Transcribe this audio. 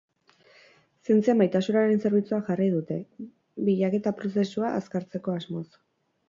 Zientzia maitasunaren zerbitzura jarri dute, bilaketa prozesua azkartzeko asmoz.